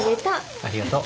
ありがとう。